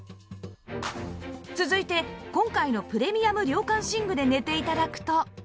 続いて今回のプレミアム涼感寝具で寝て頂くと